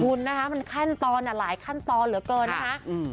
คุณนะคะมันขั้นตอนอ่ะหลายขั้นตอนเหลือเกินนะคะอืม